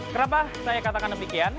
kenapa saya katakan demikian